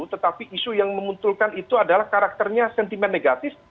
tetapi isu yang memunculkan itu adalah karakternya sentimen negatif